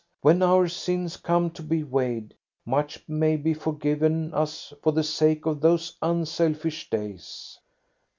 When our sins come to be weighed, much may be forgiven us for the sake of those unselfish days."